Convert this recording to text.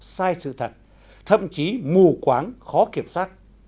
sai sự thật thậm chí mù quáng khó kiểm soát